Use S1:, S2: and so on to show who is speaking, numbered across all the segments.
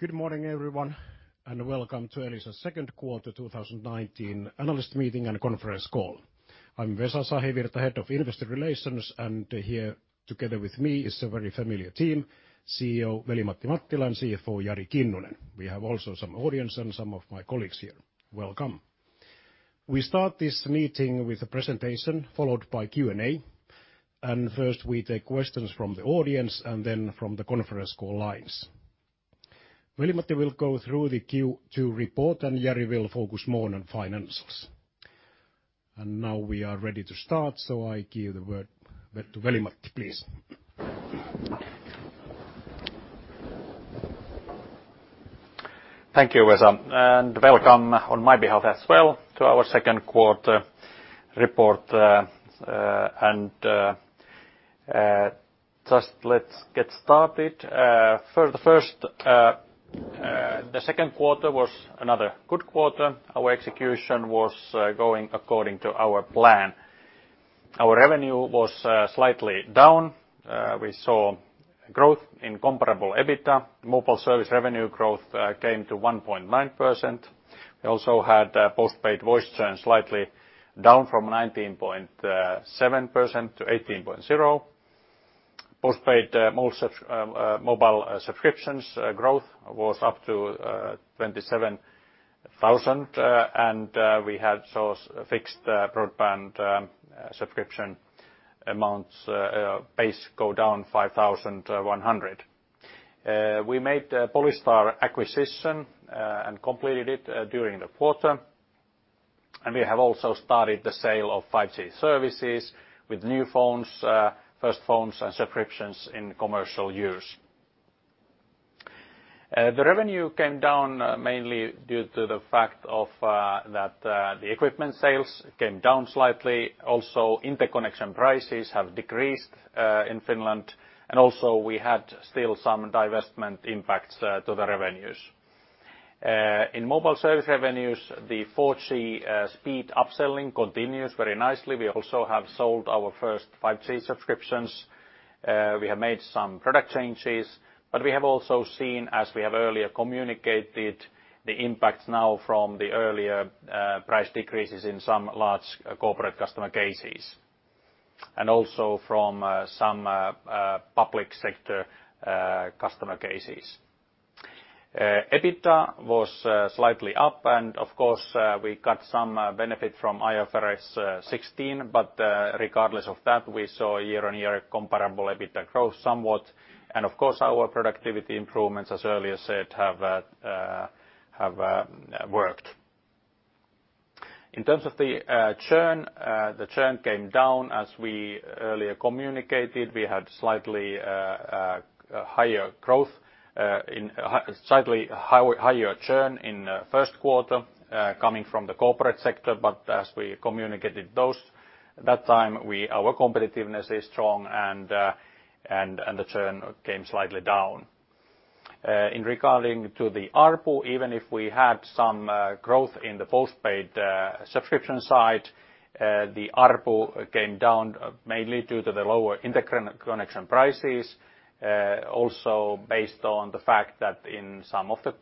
S1: Good morning, everyone. Welcome to Elisa's second quarter 2019 analyst meeting and conference call. I'm Vesa Sahivirta, Head of Investor Relations, and here together with me is a very familiar team: CEO Veli-Matti Mattila and CFO Jari Kinnunen. We have also some audience and some of my colleagues here. Welcome. We start this meeting with a presentation followed by Q&A. First, we take questions from the audience and then from the conference call lines. Veli-Matti will go through the Q2 report, and Jari will focus more on financials. Now we are ready to start, so I give the word to Veli-Matti, please.
S2: Thank you, Vesa, and welcome on my behalf as well to our second quarter report. Just let's get started. The second quarter was another good quarter. Our execution was going according to our plan. Our revenue was slightly down. We saw growth in comparable EBITDA. Mobile service revenue growth came to 1.9%. We also had postpaid voice churn slightly down from 19.7% to 18.0%. Postpaid mobile subscriptions growth was up to 27,000, and we had fixed broadband subscription amounts base go down 5,100. We made Polystar acquisition and completed it during the quarter, and we have also started the sale of 5G services with new phones, first phones, and subscriptions in commercial use. The revenue came down mainly due to the fact that the equipment sales came down slightly. Also, interconnection prices have decreased in Finland, and also we still had some divestment impacts to the revenues. In mobile service revenues, the 4G speed upselling continues very nicely. We have also sold our first 5G subscriptions. We have made some product changes, but we have also seen, as we have earlier communicated, the impacts now from the earlier price decreases in some large corporate customer cases, and also from some public sector customer cases. EBITDA was slightly up, and of course, we got some benefit from IFRS 16. Regardless of that, we saw year-on-year comparable EBITDA growth somewhat. Of course, our productivity improvements, as earlier said, have worked. In terms of the churn, the churn came down. As we earlier communicated, we had slightly higher churn in first quarter coming from the corporate sector. As we communicated those at that time, our competitiveness is strong, and the churn came slightly down. Regarding to the ARPU, even if we had some growth in the postpaid subscription side, the ARPU came down mainly due to the lower interconnection prices. Also based on the fact that in some of the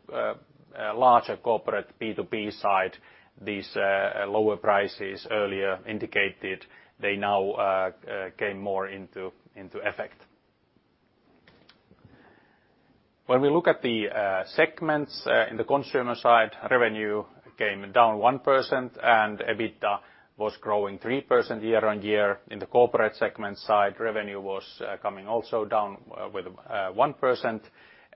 S2: larger corporate B2B side, these lower prices earlier indicated, they now came more into effect. When we look at the segments in the consumer side, revenue came down 1%, and EBITDA was growing 3% year-on-year. In the corporate segment side, revenue was coming also down with 1%,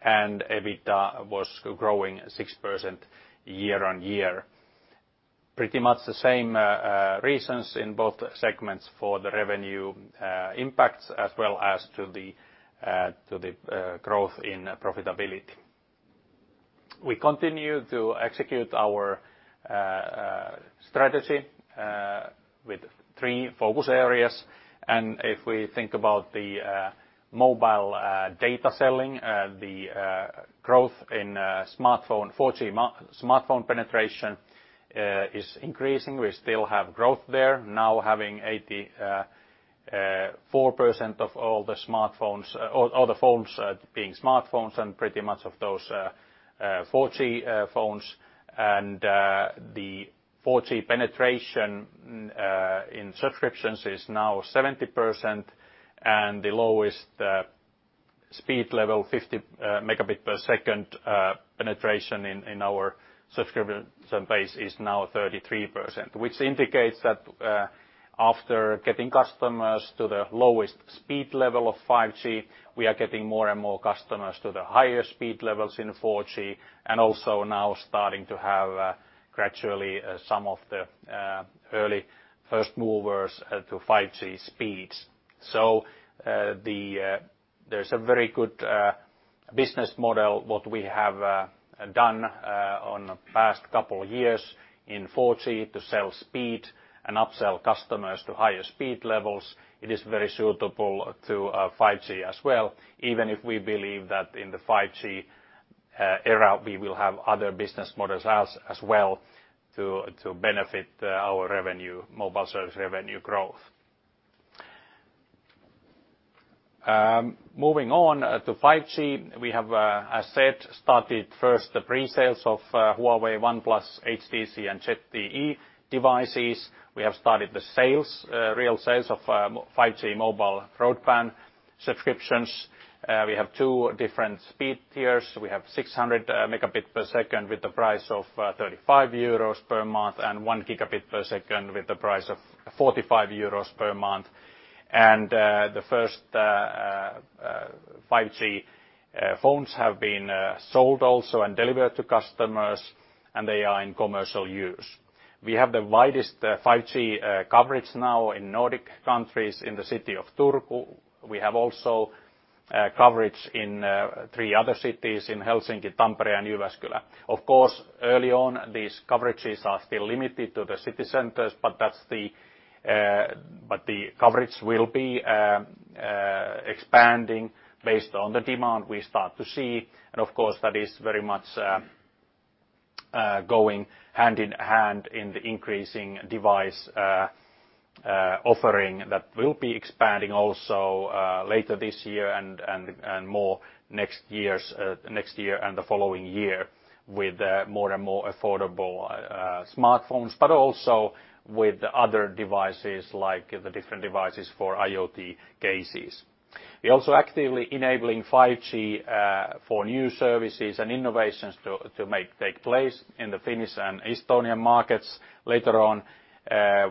S2: and EBITDA was growing 6% year-on-year. Pretty much the same reasons in both segments for the revenue impacts as well as to the growth in profitability. We continue to execute our strategy with three focus areas. If we think about the mobile data selling, the growth in 4G smartphone penetration is increasing. We still have growth there. Having 84% of all the phones being smartphones and pretty much of those are 4G phones. The 4G penetration in subscriptions is now 70%, and the lowest speed level, 50 Mbps penetration in our subscription base, is now 33%. Which indicates that after getting customers to the lowest speed level of 5G, we are getting more and more customers to the higher speed levels in 4G, and also now starting to have gradually some of the early first movers to 5G speeds. There's a very good business model, what we have done on the past couple of years in 4G to sell speed and upsell customers to highest speed levels. It is very suitable to 5G as well, even if we believe that in the 5G era, we will have other business models as well to benefit our mobile service revenue growth. Moving on to 5G, we have, as said, started first the pre-sales of Huawei, OnePlus, HTC, and ZTE devices. We have started the real sales of 5G mobile broadband subscriptions. We have two different speed tiers. We have 600 Mbps with the price of 35 euros per month and 1 Gbps with the price of 45 euros per month. The first 5G phones have been sold also and delivered to customers, and they are in commercial use. We have the widest 5G coverage now in Nordic countries, in the city of Turku. We have also coverage in three other cities, in Helsinki, Tampere and Jyväskylä. Of course, early on, these coverages are still limited to the city centers, but the coverage will be expanding based on the demand we start to see. Of course, that is very much going hand-in-hand in the increasing device offering that will be expanding also later this year and more next year, and the following year with more and more affordable smartphones, but also with other devices like the different devices for IoT cases. We're also actively enabling 5G for new services and innovations to take place in the Finnish and Estonian markets later on.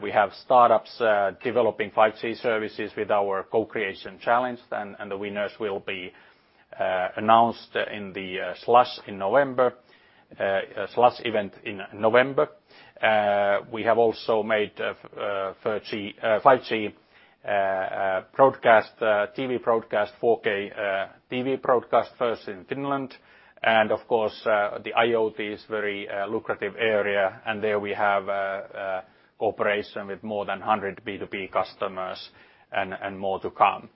S2: We have startups developing 5G services with our co-creation challenge, and the winners will be announced in the Slush event in November. We have also made 5G TV broadcast, 4K TV broadcast first in Finland. Of course, the IoT is very lucrative area, and there we have cooperation with more than 100 B2B customers and more to come.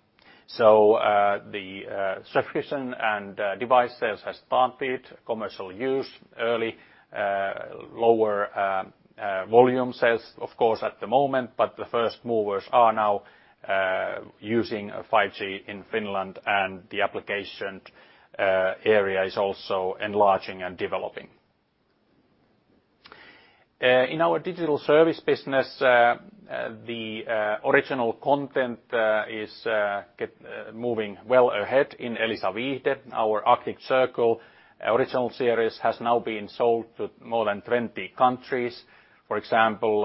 S2: The subscription and device sales has started commercial use early. Lower volume sales, of course, at the moment, but the first movers are now using 5G in Finland, and the application area is also enlarging and developing. In our digital service business, the original content is moving well ahead in Elisa Viihde. Our Arctic Circle original series has now been sold to more than 20 countries. For example,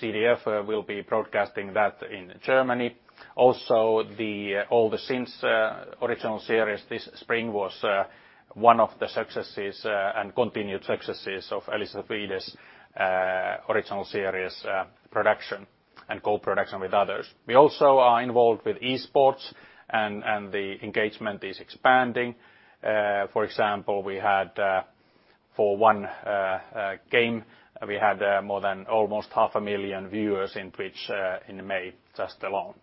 S2: ZDF will be broadcasting that in Germany. Also, the All the Sins original series this spring was one of the successes and continued successes of Elisa Viihde's original series production and co-production with others. We also are involved with esports, and the engagement is expanding. For example, for one game, we had more than almost 500,000 viewers on Twitch in May just alone.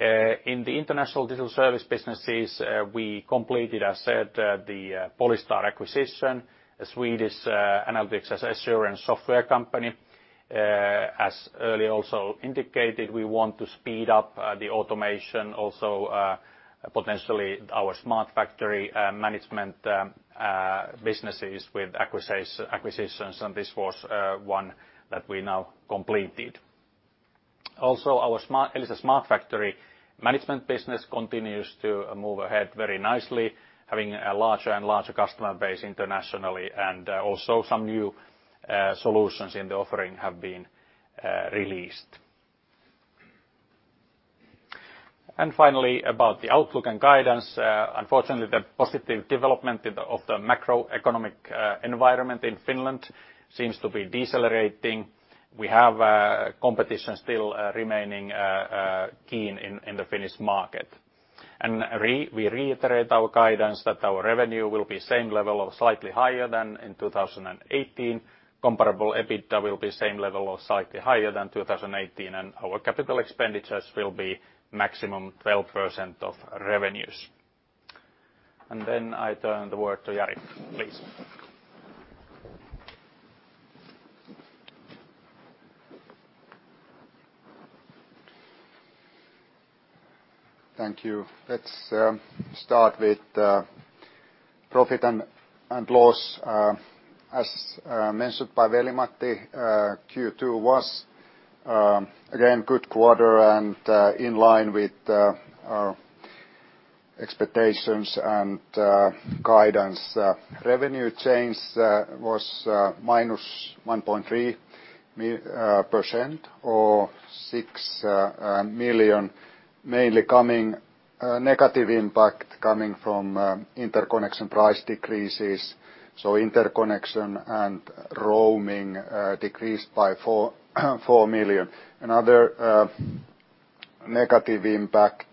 S2: In the international digital service businesses, we completed, as said, the Polystar acquisition, a Swedish analytics and assurance software company. As earlier also indicated, we want to speed up the automation, also potentially our Smart Factory management businesses with acquisitions, this was one that we now completed. Our Elisa Smart Factory management business continues to move ahead very nicely, having a larger and larger customer base internationally, and also some new solutions in the offering have been released. Finally, about the outlook and guidance. Unfortunately, the positive development of the macroeconomic environment in Finland seems to be decelerating. We have competition still remaining keen in the Finnish market. We reiterate our guidance that our revenue will be same level or slightly higher than in 2018. Comparable EBITDA will be same level or slightly higher than 2018, and our capital expenditures will be maximum 12% of revenues. Then I turn the word to Jari, please.
S3: Thank you. Let's start with profit and loss. As mentioned by Veli-Matti, Q2 was again good quarter and in line with our expectations and guidance. Revenue change was -1.3% or 6 million, mainly negative impact coming from interconnection price decreases. Interconnection and roaming decreased by 4 million. Another negative impact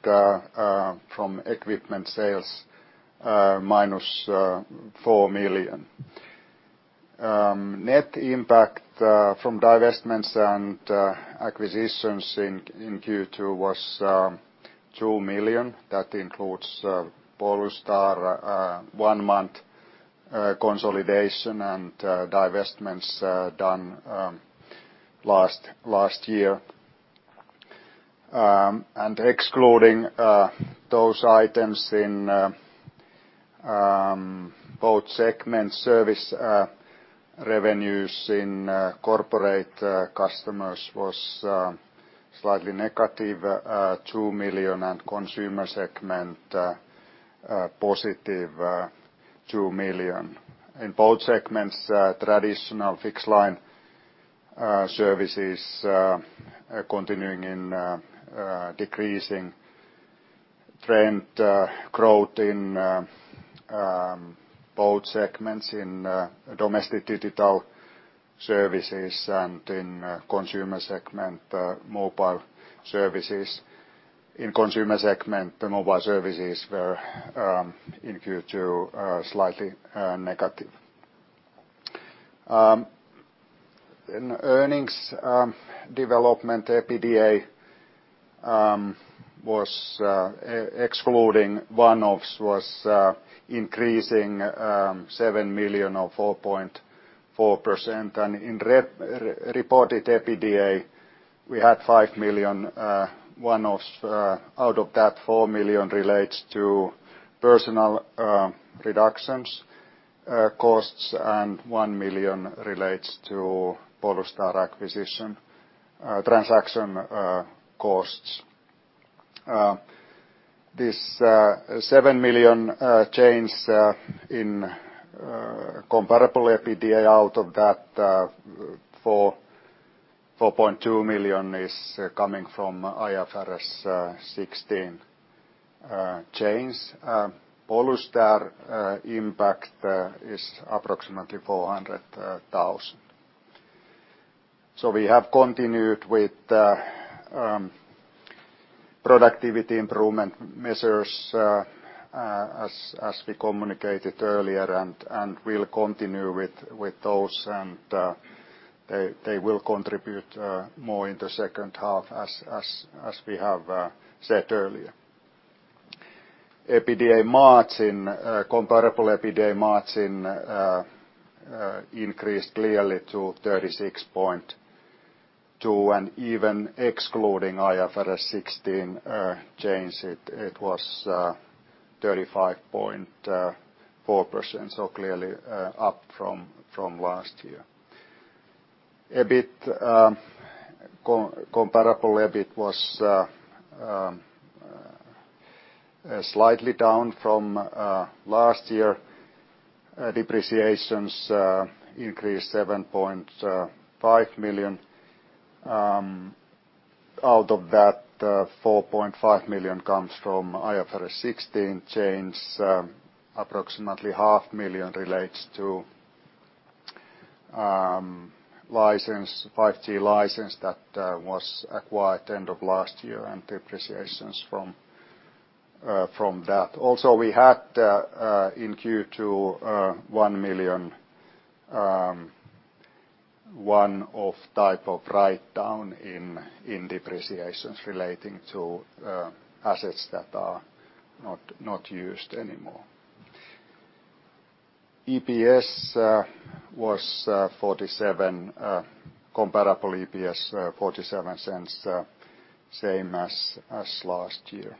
S3: from equipment sales, -4 million. Net impact from divestments and acquisitions in Q2 was 2 million. That includes Polystar, one-month consolidation, and divestments done last year. Excluding those items in both segments, service revenues in corporate customers was slightly negative at 2 million, and consumer segment +2 million. In both segments, traditional fixed line services continuing in decreasing trend growth in both segments in domestic digital services, and in consumer segment, mobile services. In consumer segment, the mobile services were, in Q2, slightly negative. In earnings development, EBITDA, excluding one-offs, was increasing 7 million or 4.4%, and in reported EBITDA, we had 5 million one-offs. Out of that, 4 million relates to personal reductions costs, and 1 million relates to Polystar acquisition transaction costs. This 7 million change in comparable EBITDA. Out of that, 4.2 million is coming from IFRS 16 change. Polystar impact is approximately 400,000. We have continued with productivity improvement measures as we communicated earlier, and we will continue with those. They will contribute more in the second half, as we have said earlier. Comparable EBITDA margin increased clearly to 36.2%, and even excluding IFRS 16 change, it was 35.4%, clearly up from last year. Comparable EBIT was slightly down from last year. Depreciations increased by 7.5 million. Out of that, 4.5 million comes from IFRS 16 change. Approximately 500,000 relates to 5G license that was acquired end of last year and depreciations from that. Also, we had, in Q2, 1 million one-off type of write-down in depreciations relating to assets that are not used anymore. EPS was comparable to EPS EUR 0.47, same as last year.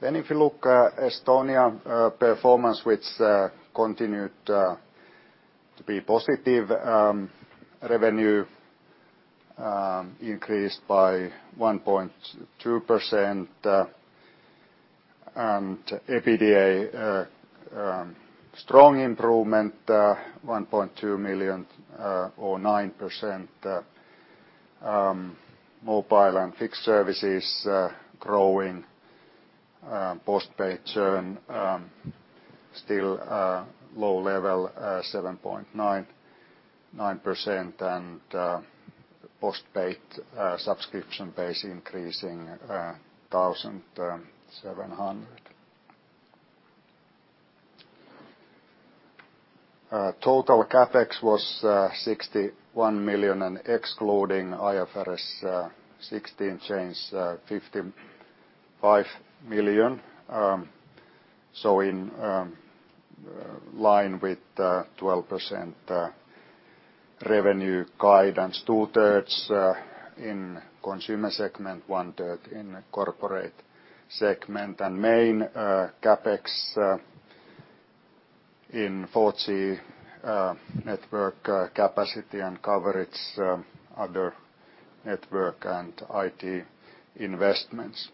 S3: If you look at Estonia's performance, which continued to be positive. Revenue increased by 1.2%, and EBITDA strong improvement, 1.2 million or 9%. Mobile and fixed services are growing. Postpaid churn still low level at 7.9%, and postpaid subscription base increasing 1,700. Total CapEx was 61 million, and excluding IFRS 16 change, 55 million. In line with 12% revenue guidance. 67% in consumer segment, 33% in corporate segment. Main CapEx in 4G network capacity and coverage, other network and IT investments.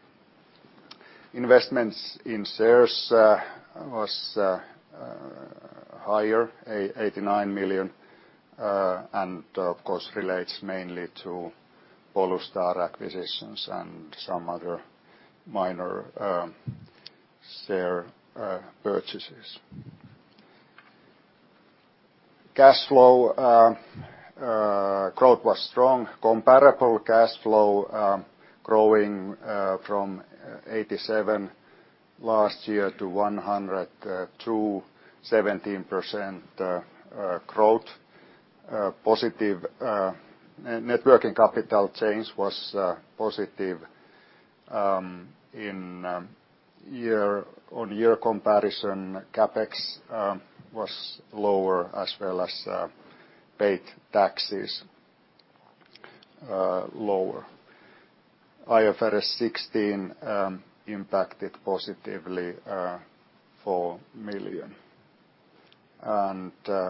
S3: Investments in shares was higher, 89 million, and of course relates mainly to Polystar acquisitions and some other minor share purchases. Cash flow growth was strong. Comparable cash flow growing from 87 million last year to 102 million, 17% growth. Net working capital change was positive year-on-year comparison. CapEx was lower as well as paid taxes lower. IFRS 16 impacted positively, 4 million.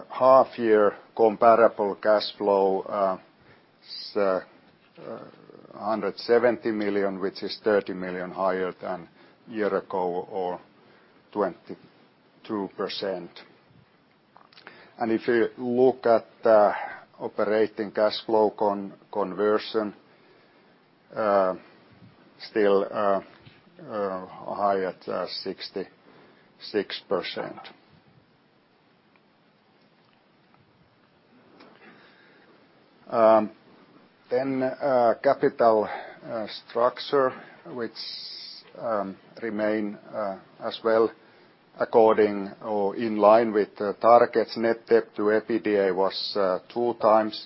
S3: Half-year comparable cash flow is 170 million, which is 30 million higher than a year ago or 22%. If you look at the operating cash flow conversion, still high at 66%. Capital structure, which remains as well according or in line with targets. Net debt to EBITDA was 2x,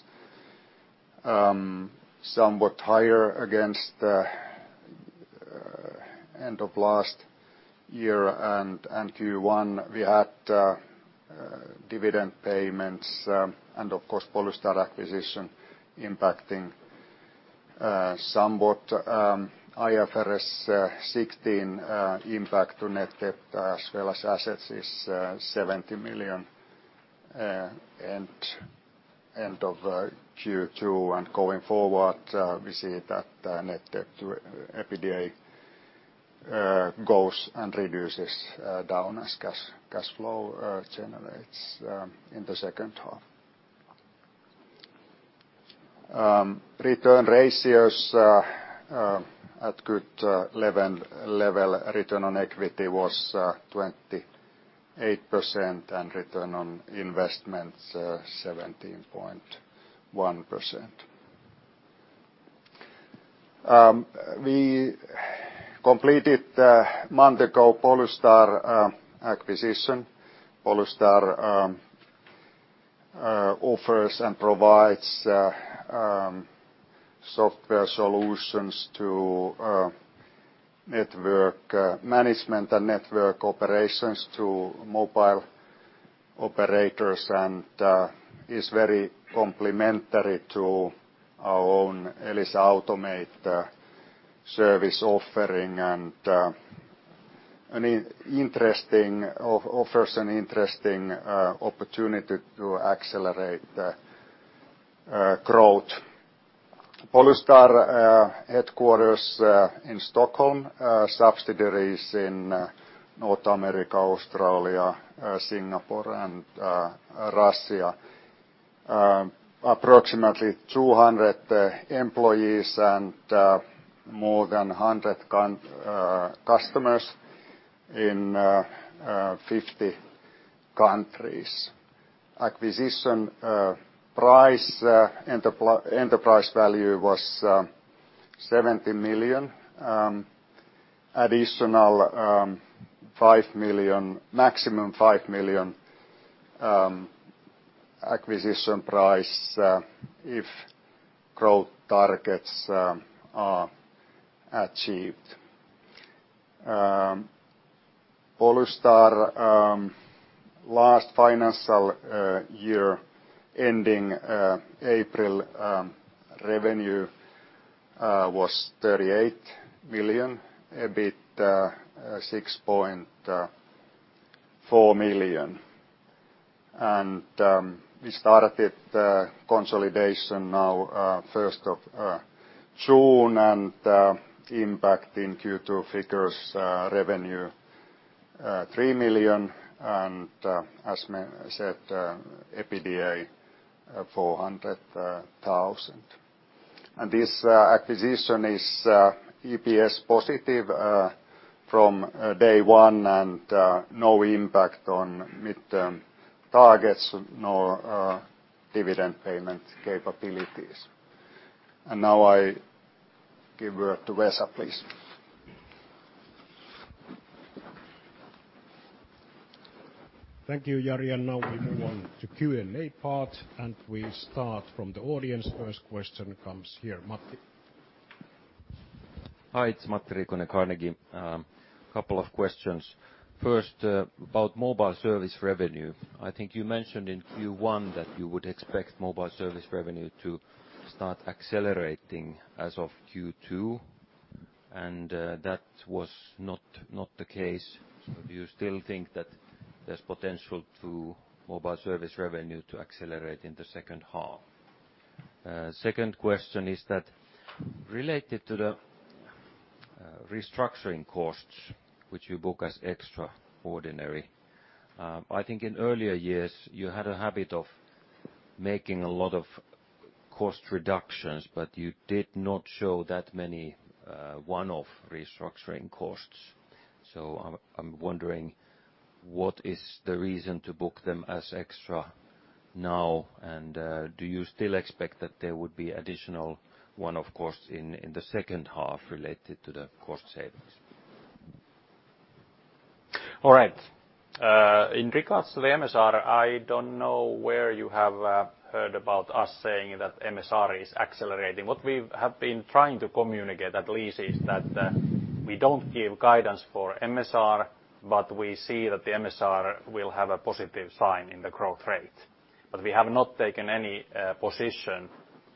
S3: somewhat higher against the end of last year and Q1. We had dividend payments, and of course Polystar acquisition impacting somewhat IFRS 16 impact to net debt as well as assets is 70 million end of Q2. Going forward, we see that net debt to EBITDA goes and reduces down as cash flow generates in the second half. Return ratios at good level. Return on equity was 28%, and return on investments 17.1%. We completed a month ago Polystar acquisition. Polystar offers and provides software solutions to network management and network operations to mobile operators, and is very complementary to our own Elisa Automate service offering and offers an interesting opportunity to accelerate the growth. Polystar headquarters in Stockholm, subsidiaries in North America, Australia, Singapore, and Russia. Approximately 200 employees and more than 100 customers in 50 countries. Acquisition price enterprise value was 70 million. Additional maximum 5 million acquisition price if growth targets are achieved. Polystar's last financial year ending April revenue was 38 million, EBIT, 6.4 million. We started the consolidation now, 1st of June, and impact in Q2 figures revenue 3 million and as Matti said, EBITDA EUR 400,000. This acquisition is EPS positive from day one and no impact on midterm targets or dividend payment capabilities. Now I give word to Vesa, please.
S1: Thank you, Jari. Now we move on to Q&A part, and we start from the audience. First question comes here, Matti.
S4: Hi, it's Matti Riikonen, Carnegie. Couple of questions. First, about mobile service revenue. I think you mentioned in Q1 that you would expect mobile service revenue to start accelerating as of Q2, and that was not the case. Do you still think that there's potential to mobile service revenue to accelerate in the second half? Second question is that related to the restructuring costs, which you book as extraordinary. I think in earlier years, you had a habit of making a lot of cost reductions, but you did not show that many one-off restructuring costs. I'm wondering what is the reason to book them as extra now? Do you still expect that there would be additional one, of course, in the second half related to the cost savings?
S2: All right. In regards to the MSR, I don't know where you have heard about us saying that MSR is accelerating. What we have been trying to communicate at least is that we don't give guidance for MSR. We see that the MSR will have a positive sign in the growth rate. We have not taken any position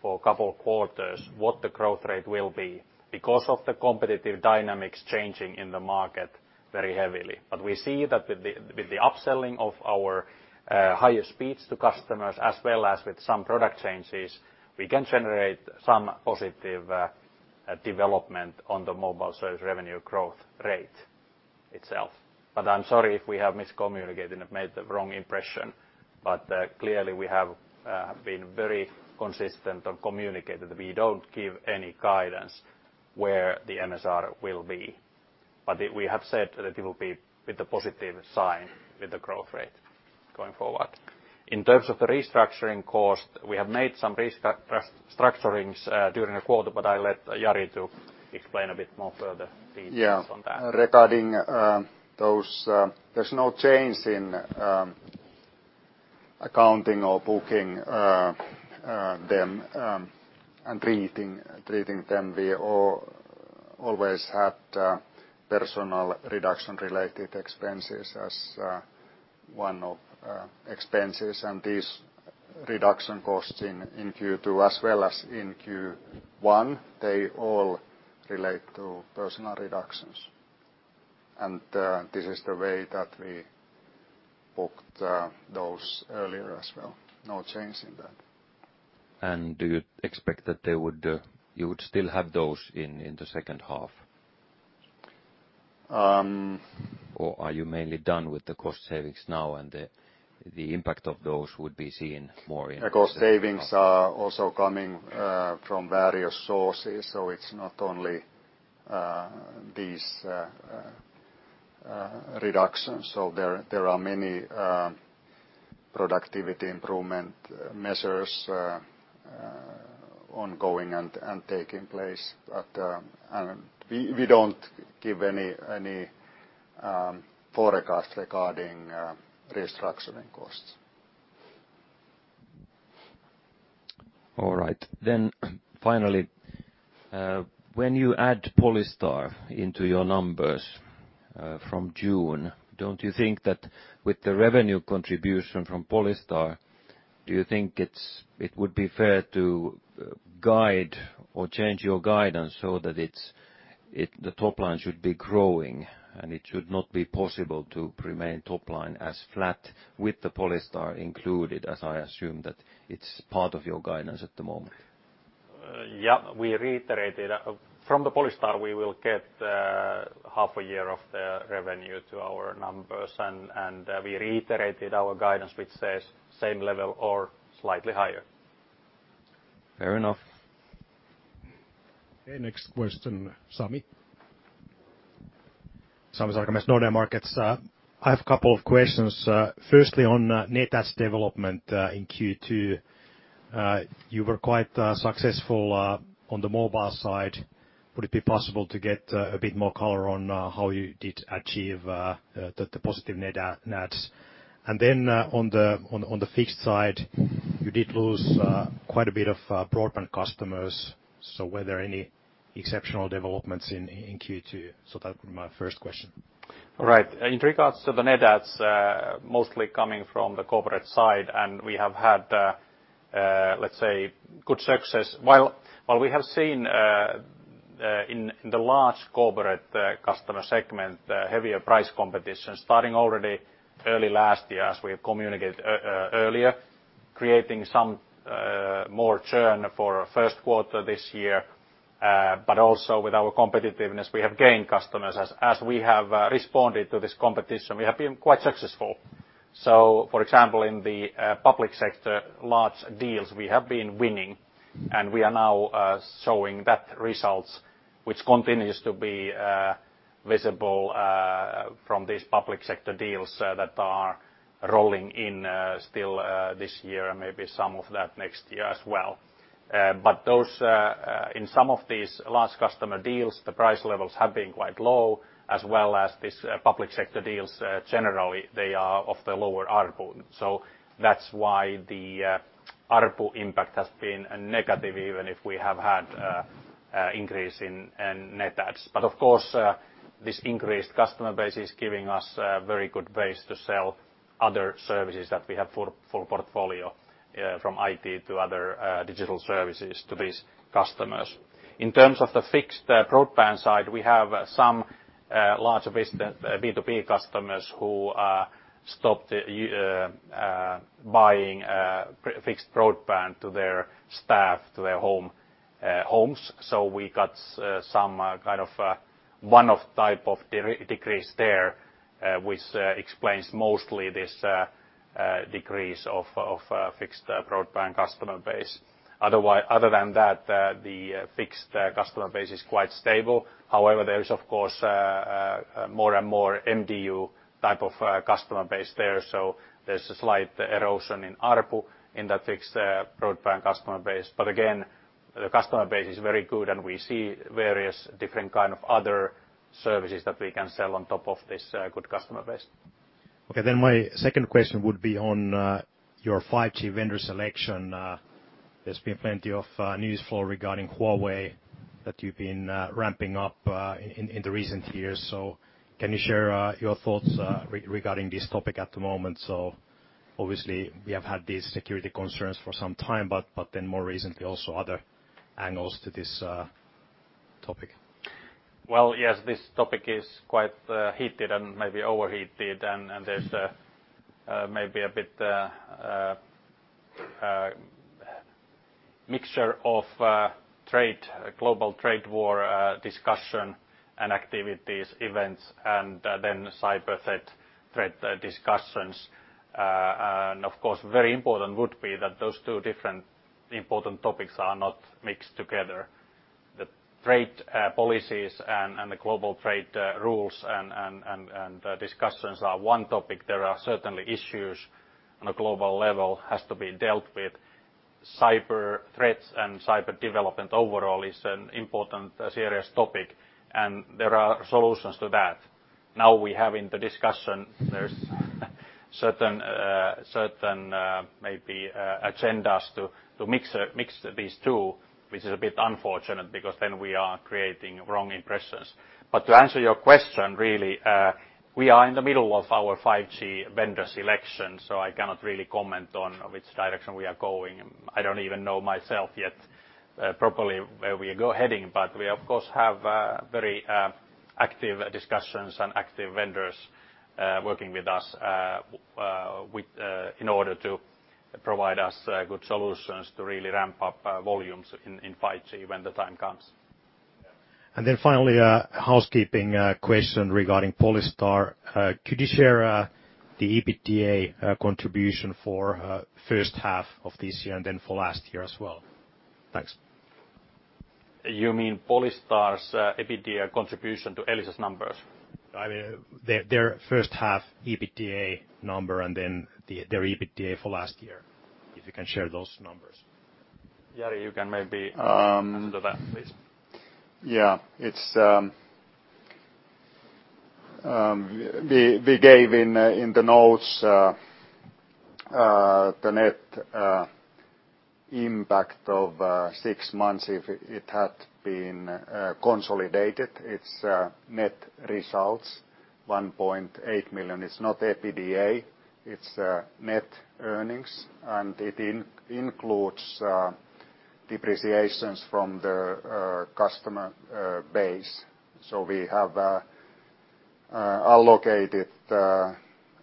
S2: for a couple of quarters what the growth rate will be, because of the competitive dynamics changing in the market very heavily. We see that with the upselling of our higher speeds to customers, as well as with some product changes, we can generate some positive development on the mobile service revenue growth rate itself. I'm sorry if we have miscommunicated and made the wrong impression. Clearly, we have been very consistent on communicating that we don't give any guidance where the MSR will be. We have said that it will be with a positive sign with the growth rate going forward. In terms of the restructuring cost, we have made some restructurings during the quarter, but I'll let Jari to explain a bit more further details on that.
S3: Yeah. Regarding those, there's no change in accounting or booking them, and treating them. We always had personal reduction-related expenses as one of expenses, and these reduction costs in Q2 as well as in Q1, they all relate to personal reductions. This is the way that we booked those earlier as well. No change in that.
S4: Do you expect that you would still have those in the second half? Are you mainly done with the cost savings now, and the impact of those would be seen more in the second half?
S3: The cost savings are also coming from various sources, it's not only this reduction. There are many productivity improvement measures ongoing and taking place. We don't give any forecast regarding restructuring costs.
S4: All right. Finally, when you add Polystar into your numbers from June, don't you think that with the revenue contribution from Polystar, do you think it would be fair to guide or change your guidance so that the top line should be growing and it should not be possible to remain top line as flat with the Polystar included, as I assume that it's part of your guidance at the moment?
S2: Yeah. We reiterated. From the Polystar, we will get half a year of the revenue to our numbers, we reiterated our guidance, which says same level or slightly higher.
S4: Fair enough.
S1: Okay, next question. Sami.
S5: Sami Sarkamies, Nordea Markets. I have a couple of questions. Firstly, on net adds development in Q2. You were quite successful on the mobile side. Would it be possible to get a bit more color on how you did achieve the positive net adds? On the fixed side, you did lose quite a bit of broadband customers. Were there any exceptional developments in Q2? That would be my first question.
S2: All right. In regards to the net adds, mostly coming from the corporate side, and we have had, let's say, good success. While we have seen in the large corporate customer segment heavier price competition starting already early last year, as we have communicated earlier, creating some more churn for first quarter this year. With our competitiveness, we have gained customers. As we have responded to this competition, we have been quite successful. For example, in the public sector large deals, we have been winning, and we are now showing that results, which continues to be visible from these public sector deals that are rolling in still this year and maybe some of that next year as well. In some of these large customer deals, the price levels have been quite low, as well as these public sector deals, generally, they are of the lower ARPU. That's why the ARPU impact has been a negative, even if we have had increase in net adds. Of course, this increased customer base is giving us a very good base to sell other services that we have for portfolio, from IT to other digital services, to these customers. In terms of the fixed broadband side, we have some large B2B customers who stopped buying fixed broadband to their staff to their homes. We got some kind of one-off type decrease there, which explains mostly this decrease of fixed broadband customer base. Other than that, the fixed customer base is quite stable. However, there is, of course, more and more MDU-type of customer base there, so there's a slight erosion in ARPU in that fixed broadband customer base. Again, the customer base is very good, and we see various different kinds of other services that we can sell on top of this good customer base.
S5: Okay. My second question would be on your 5G vendor selection. There's been plenty of news flow regarding Huawei that you've been ramping up in the recent years. Can you share your thoughts regarding this topic at the moment? Obviously, we have had these security concerns for some time; more recently, also other angles to this topic.
S2: Well, yes, this topic is quite heated and maybe overheated, and there's maybe a bit mixture of global trade war discussion and activities, events, and then cyber threat discussions. Of course, very important would be that those two different important topics are not mixed together. The trade policies, and the global trade rules, and discussions are one topic. There are certainly issues on a global level has to be dealt with. Cyber threats and cyber development overall is an important, serious topic, and there are solutions to that. Now we have in the discussion, there's certain maybe agendas to mix these two, which is a bit unfortunate because then we are creating wrong impressions. To answer your question, really, we are in the middle of our 5G vendor selection, so I cannot really comment on which direction we are going. I don't even know myself yet properly where we are heading. We, of course, have very active discussions and active vendors working with us in order to provide us good solutions to really ramp up volumes in 5G when the time comes.
S5: Finally, a housekeeping question regarding Polystar. Could you share the EBITDA contribution for first half of this year and then for last year as well? Thanks.
S2: You mean Polystar's EBITDA contribution to Elisa's numbers?
S5: I mean their first half EBITDA number and then their EBITDA for last year, if you can share those numbers.
S2: Jari, you can maybe answer that, please.
S3: Yeah. We gave in the notes the net impact of six months if it had been consolidated. Its net results, 1.8 million. It's not EBITDA, it's net earnings, and it includes depreciations from the customer base. We have allocated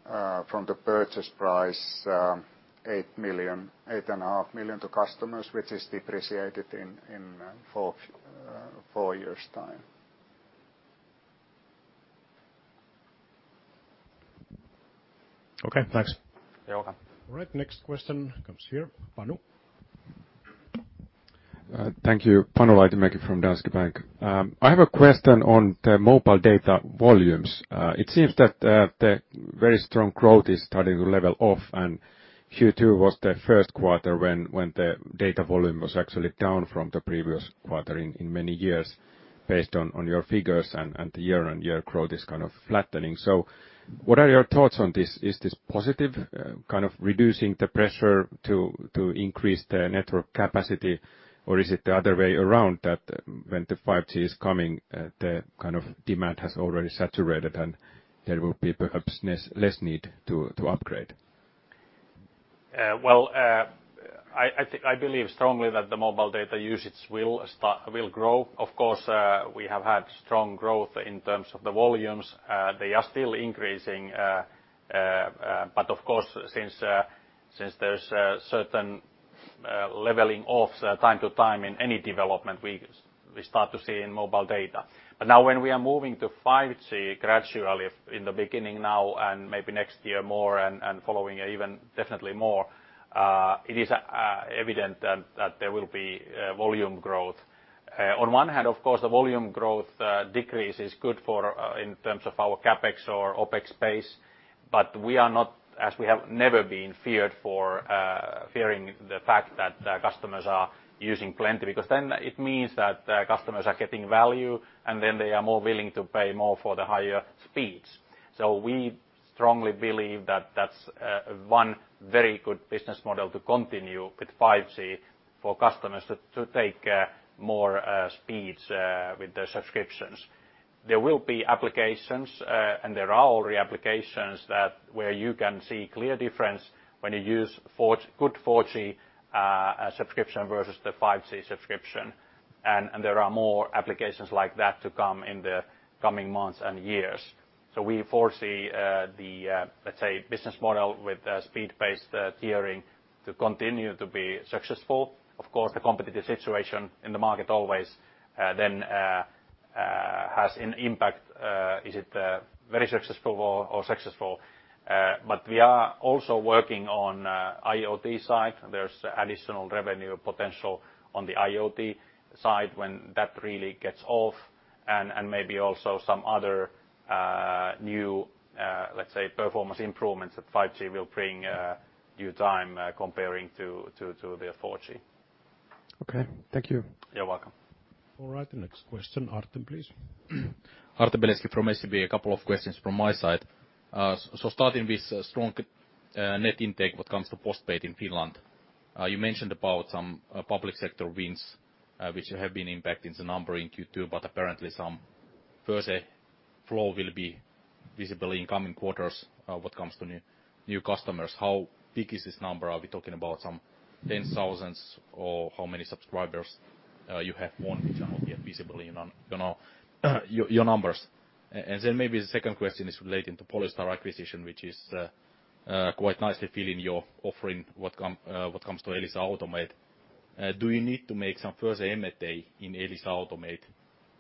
S3: from the purchase price 8.1 million to customers, which is depreciated in four years' time.
S5: Okay, thanks.
S2: You're welcome.
S1: All right, next question comes here. Panu?
S6: Thank you. Panu Laitinmäki from Danske Bank. I have a question on the mobile data volumes. It seems that the very strong growth is starting to level off. Q2 was the first quarter when the data volume was actually down from the previous quarter in many years, based on your figures, and the year-on-year growth is kind of flattening. What are your thoughts on this? Is this positive, kind of reducing the pressure to increase the network capacity, or is it the other way around, that when the 5G is coming, the demand has already saturated, and there will be perhaps less need to upgrade?
S2: Well, I believe strongly that the mobile data usage will grow. Of course, we have had strong growth in terms of the volumes. They are still increasing. Of course, since there is a certain leveling off time to time in any development, we start to see in mobile data. Now, when we are moving to 5G gradually in the beginning now and maybe next year more and following even definitely more, it is evident that there will be volume growth. On one hand, of course, the volume growth decrease is good in terms of our CapEx or OpEx base. We are not, as we have never been, fearing the fact that customers are using plenty, because then it means that customers are getting value, and then they are more willing to pay more for the higher speeds. We strongly believe that that is one very good business model to continue with 5G for customers to take more speeds with their subscriptions. There will be applications. There are already applications where you can see clear difference when you use good 4G subscription versus the 5G subscription. There are more applications like that to come in the coming months and years. We foresee the, let's say, business model with speed-based tiering to continue to be successful. Of course, the competitive situation in the market always then has an impact. Is it very successful or successful? We are also working on IoT side. There is additional revenue potential on the IoT side when that really gets off and maybe also some other new, let's say, performance improvements that 5G will bring you time comparing to the 4G.
S6: Okay. Thank you.
S2: You're welcome.
S1: All right. The next question, Artem, please.
S7: Artem Beletski from SEB. A couple of questions from my side. Starting with strong net intake, what comes to post-paid in Finland? You mentioned about some public sector wins, which have been impacting the number in Q2, but apparently, some further flow will be visible in coming quarters, what comes to new customers. How big is this number? Are we talking about some 10,000s or how many subscribers you have won, which are not yet visible in your numbers? Maybe the second question is relating to Polystar acquisition, which is quite nicely filling your offering, what comes to Elisa Automate. Do you need to make some further M&A days in Elisa Automate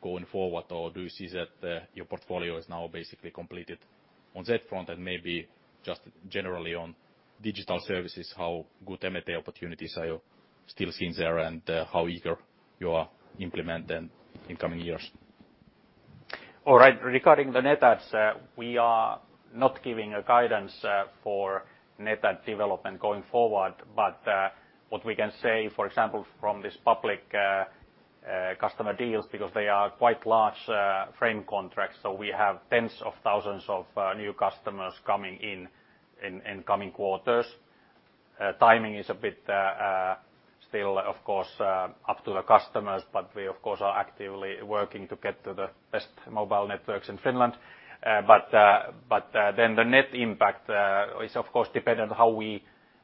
S7: going forward? Do you see that your portfolio is now basically completed on that front? Maybe just generally on digital services, how good M&A opportunities are you still seeing there, and how eager you are implement them in coming years?
S2: All right. Regarding the net adds, we are not giving a guidance for net add development going forward. What we can say, for example, from this public customer deals, because they are quite large frame contracts, so we have tens of thousands of new customers coming in, in coming quarters. Timing is a bit still, of course, up to the customers, but we, of course, are actively working to get to the best mobile networks in Finland. The net impact is, of course, dependent how we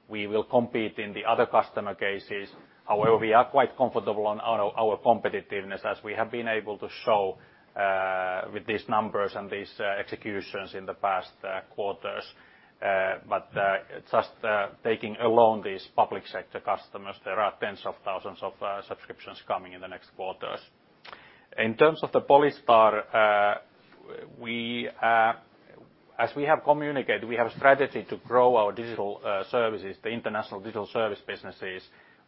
S2: will compete in the other customer cases. However, we are quite comfortable on our competitiveness as we have been able to show with these numbers and these executions in the past quarters. Just taking alone these public sector customers, there are tens of thousands of subscriptions coming in the next quarters. In terms of the Polystar, as we have communicated, we have a strategy to grow our digital services, the international digital service businesses,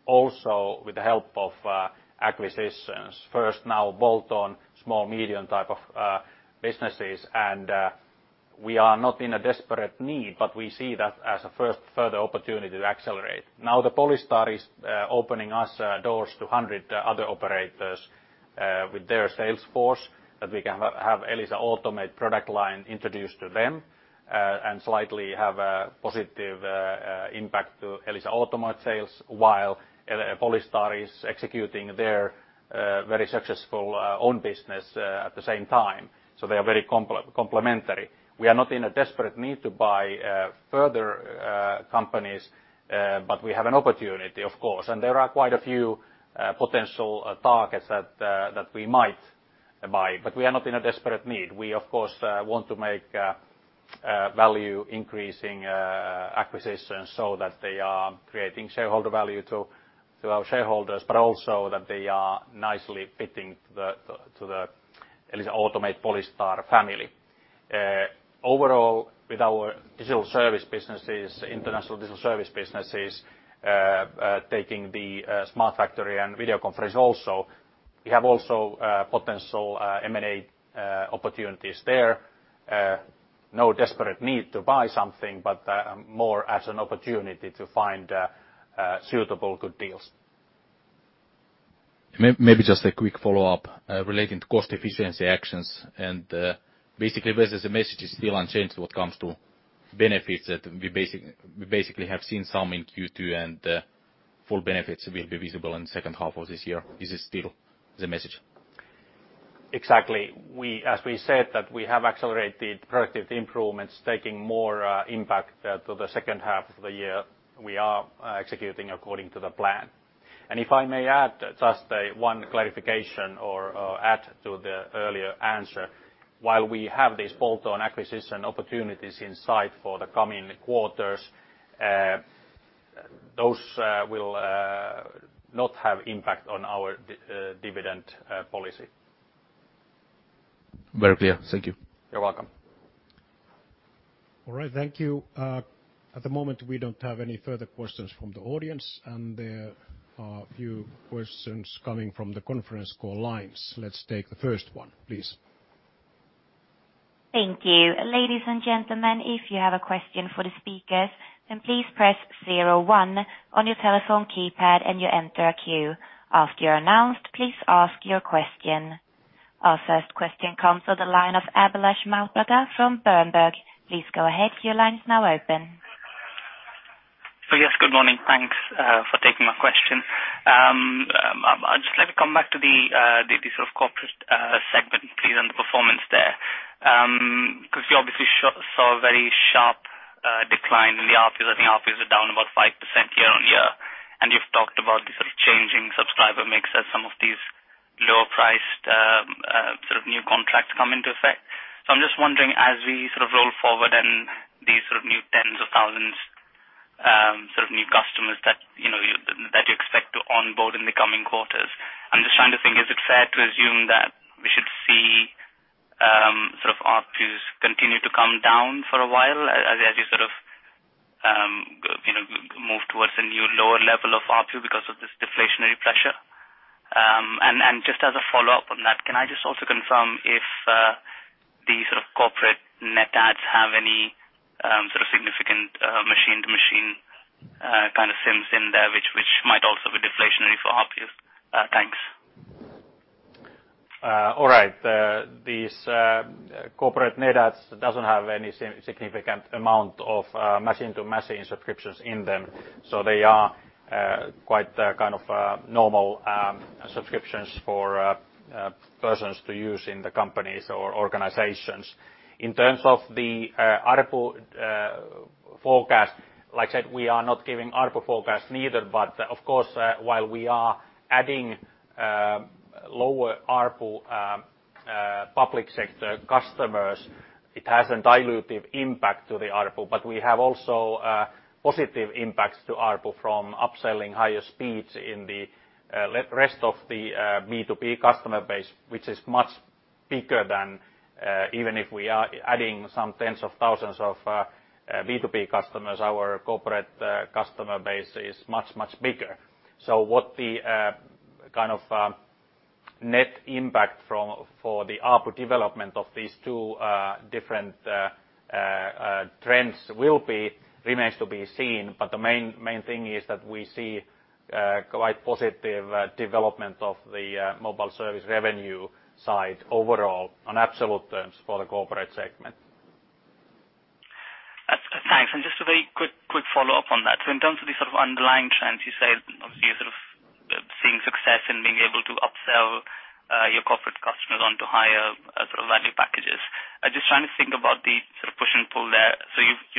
S2: also with the help of acquisitions. First, now bolt-on small medium type of businesses. We are not in a desperate need, but we see that as a further opportunity to accelerate. Now that Polystar is opening us doors to 100 other operators with their sales force, that we can have Elisa Automate product line introduced to them, slightly have a positive impact to Elisa Automate sales, while Polystar is executing their very successful own business at the same time. They are very complementary. We are not in a desperate need to buy further companies, but we have an opportunity, of course. There are quite a few potential targets that we might buy. We are not in a desperate need. We, of course, want to make value-increasing acquisitions so that they are creating shareholder value to our shareholders, but also that they are nicely fitting to the Elisa Automate Polystar family. Overall, with our digital service businesses, international digital service businesses, taking the Smart Factory and videoconferencing, we have also potential M&A opportunities there. No desperate need to buy something, but more as an opportunity to find suitable good deals.
S7: Maybe just a quick follow-up relating to cost efficiency actions. Basically, this is a message is still unchanged when it comes to benefits that we basically have seen some in Q2, and full benefits will be visible in the second half of this year. Is this still the message?
S2: Exactly. As we said that we have accelerated productive improvements, taking more impact to the second half of the year. We are executing according to the plan. If I may add just one clarification or add to the earlier answer. While we have these bolt-on acquisition opportunities in sight for the coming quarters, those will not have impact on our dividend policy.
S7: Very clear. Thank you.
S2: You're welcome.
S1: All right. Thank you. At the moment, we don't have any further questions from the audience, and there are a few questions coming from the conference call lines. Let's take the first one, please.
S8: Thank you. Ladies and gentlemen, if you have a question for the speakers, please press zero one on your telephone keypad, and you enter a queue. After you're announced, please ask your question. Our first question comes to the line of Abhilash Mohapatra from Berenberg. Please go ahead, your line is now open.
S9: Yes, good morning. Thanks for taking my question. I'd just like to come back to the sort of corporate segment, please, and the performance there. A very sharp decline in the ARPUs. I think ARPUs are down about 5% year-on-year. You've talked about the sort of changing subscriber mix as some of these lower-priced, sort of new contracts come into effect. I'm just wondering, as we sort of roll forward and these sort of new tens of thousands, sort of new customers that you expect to onboard in the coming quarters. I'm just trying to think, is it fair to assume that we should see ARPUs continue to come down for a while as you sort of move towards a new lower level of ARPU because of this deflationary pressure? Just as a follow-up on that, can I just also confirm if these sort of corporate net adds have any sort of significant machine-to-machine kind of sims in there, which might also be deflationary for ARPUs? Thanks.
S2: Alright. These corporate net adds doesn't have any significant amount of machine-to-machine subscriptions in them, they are quite kind of normal subscriptions for persons to use in the companies or organizations. In terms of the ARPU forecast, like I said, we are not giving ARPU forecast neither. Of course, while we are adding lower ARPU public sector customers, it has a dilutive impact to the ARPU. We have also positive impacts to ARPU from upselling higher speeds in the rest of the B2B customer base, which is much bigger than even if we are adding some tens of thousands of B2B customers, our corporate customer base is much, much bigger. What the kind of net impact for the ARPU development of these two different trends will be remains to be seen. The main thing is that we see quite positive development of the mobile service revenue side overall on absolute terms, for the corporate segment.
S9: Thanks. Just a very quick follow-up on that. In terms of the sort of underlying trends, you said, obviously you're sort of seeing success in being able to upsell your corporate customers onto higher sort of value packages. Just trying to think about the sort of push and pull there.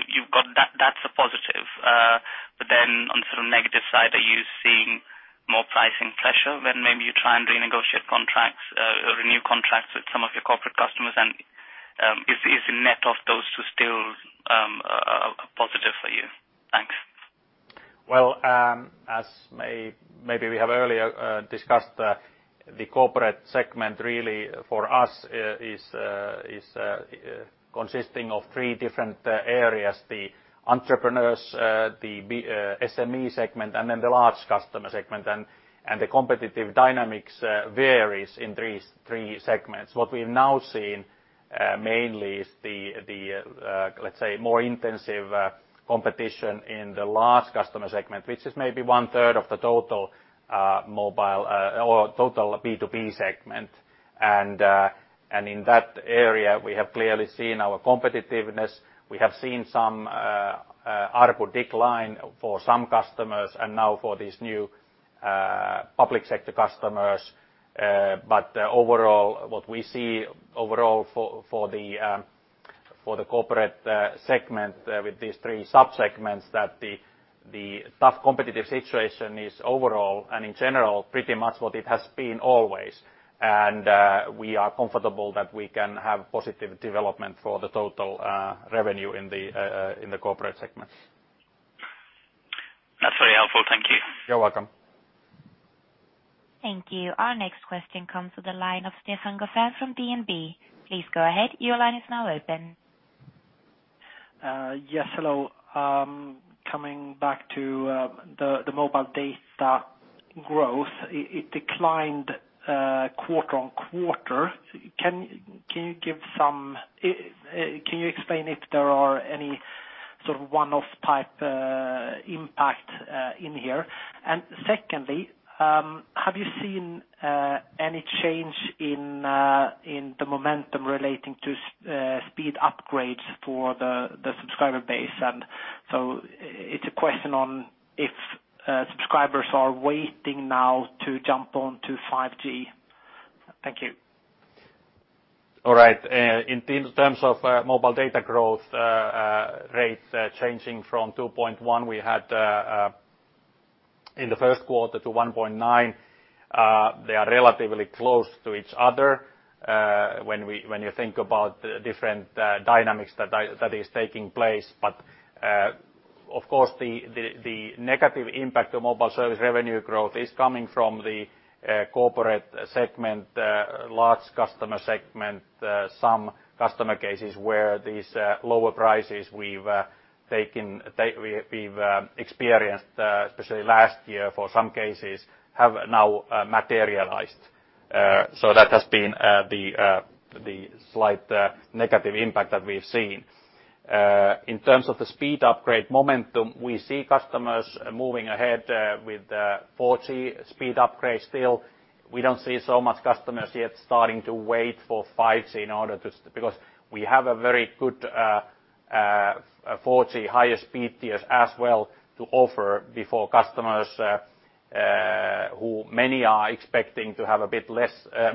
S9: You've got that's a positive, on sort of negative side, are you seeing more pricing pressure when maybe you try and renegotiate contracts or renew contracts with some of your corporate customers? Is the net of those two still positive for you? Thanks.
S2: Well, as maybe we have earlier discussed, the corporate segment really for us is consisting of three different areas: the entrepreneurs, the SME segment, and the large customer segment. The competitive dynamics varies in these three segments. What we've now seen mainly is the, let's say, more intensive competition in the large customer segment, which is maybe 33% of the total mobile or total B2B segment. In that area, we have clearly seen our competitiveness. We have seen some ARPU decline for some customers, and now for these new public sector customers. Overall, what we see overall for the corporate segment with these three sub-segments that the tough competitive situation is overall and in general pretty much what it has been always. We are comfortable that we can have positive development for the total revenue in the corporate segments.
S9: That's very helpful. Thank you.
S2: You're welcome.
S8: Thank you. Our next question comes to the line of Stefan Gauffin from DNB. Please go ahead. Your line is now open.
S10: Yes, hello. Coming back to the mobile data growth, it declined quarter-on-quarter. Can you explain if there are any sort of one-off type impact in here? Secondly, have you seen any change in the momentum relating to speed upgrades for the subscriber base? It's a question on if subscribers are waiting now to jump onto 5G? Thank you.
S2: All right. In terms of mobile data growth rates changing from 2.1% we had in the first quarter to 1.9%, they are relatively close to each other when you think about different dynamics that is taking place. Of course, the negative impact of mobile service revenue growth is coming from the corporate segment, large customer segment, some customer cases where these lower prices we've experienced, especially last year, for some cases have now materialized. That has been the slight negative impact that we've seen. In terms of the speed upgrade momentum, we see customers moving ahead with 4G speed upgrade still. We don't see so much customers yet starting to wait for 5G because we have a very good 4G higher speed tiers as well to offer before customers who many are expecting to have a bit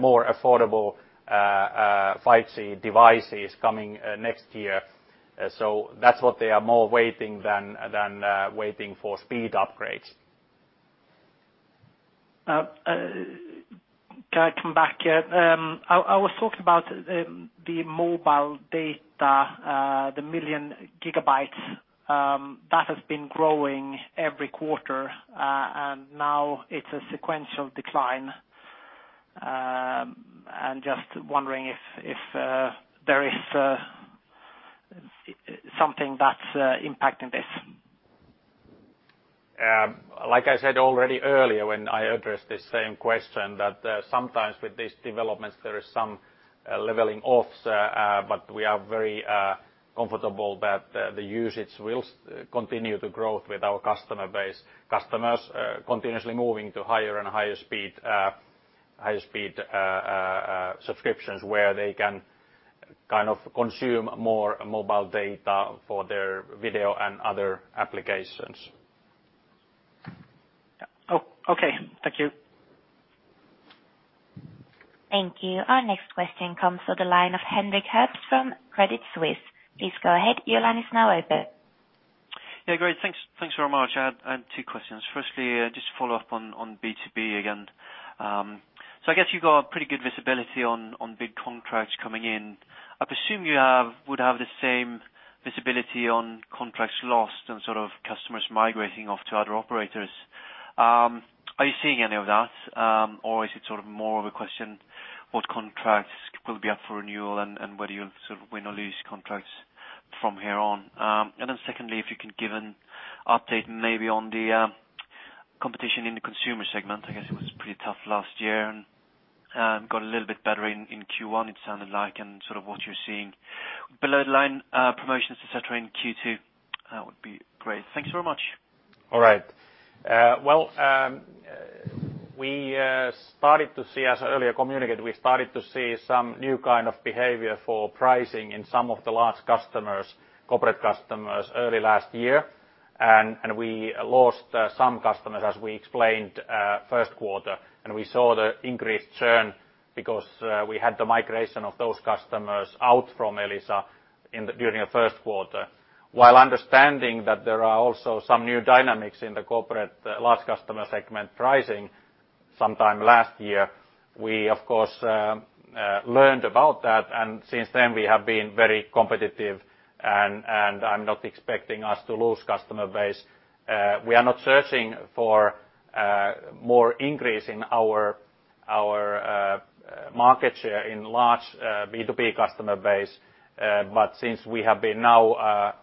S2: more affordable 5G devices coming next year. That's what they are more waiting than waiting for speed upgrades.
S10: Can I come back? I was talking about the mobile data, the million gigabytes that has been growing every quarter, and now it's a sequential decline. I'm just wondering if there is something that's impacting this?
S2: Like I said already earlier when I addressed the same question, that sometimes with these developments, there is some leveling off. We are very comfortable that the usage will continue to grow with our customer base. Customers continuously moving to higher and higher speed subscriptions, where they can consume more mobile data for their video and other applications.
S10: Okay. Thank you.
S8: Thank you. Our next question comes to the line of Henrik Herbst from Credit Suisse. Please go ahead. Your line is now open.
S11: Great. Thanks very much. I had two questions. Firstly, just to follow up on B2B again. I guess you got pretty good visibility on big contracts coming in. I presume you would have the same visibility on contracts lost and sort of customers migrating off to other operators. Are you seeing any of that? Or is it sort of more of a question, what contracts will be up for renewal, and whether you'll sort of win or lose contracts from here on? Secondly, if you can give an update, maybe on the competition in the consumer segment. I guess it was pretty tough last year and got a little bit better in Q1, it sounded like, and sort of what you're seeing below the line, promotions, et cetera, in Q2. That would be great. Thank you very much.
S2: Well, as earlier communicated, we started to see some new kind of behavior for pricing in some of the large corporate customers early last year. We lost some customers, as we explained first quarter. We saw the increased churn because we had the migration of those customers out from Elisa during the first quarter. While understanding that there are also some new dynamics in the corporate large customer segment pricing, sometime last year. We, of course, learned about that, and since then we have been very competitive, and I'm not expecting us to lose customer base. We are not searching for more increase in our market share in large B2B customer base. Since we have been now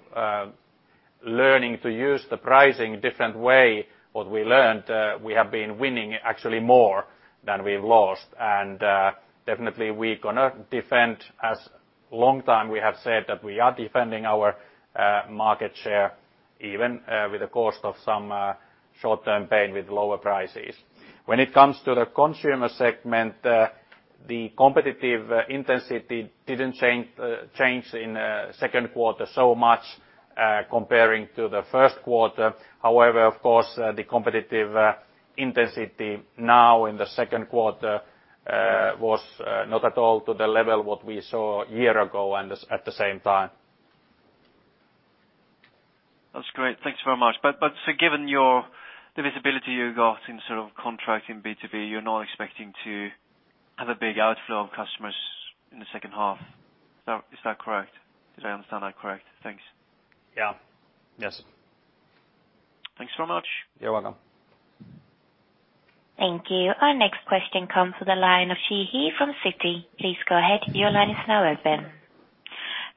S2: learning to use the pricing different way, what we learned, we have been winning actually more than we've lost. Definitely, we're going to defend as long time we have said that we are defending our market share, even with the cost of some short-term pain with lower prices. When it comes to the consumer segment, the competitive intensity didn't change in second quarter so much comparing to the first quarter. However, of course, the competitive intensity now in the second quarter was not at all to the level what we saw a year ago and at the same time.
S11: That's great. Thank you very much. Given the visibility you got in sort of contract in B2B, you're not expecting to have a big outflow of customers in the second half. Is that correct? Did I understand that correct? Thanks.
S2: Yeah. Yes.
S11: Thanks very much.
S2: You're welcome.
S8: Thank you. Our next question comes to the line of Siyi He from Citi. Please go ahead. Your line is now open.